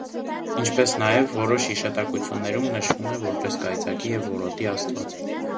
Ինչպես նաև որոշ հիշատակություններում նշվում է որպես կայծակի և որոտի աստված։